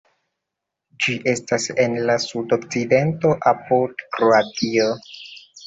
Ĝi estas en la sudokcidento apud Kroatio.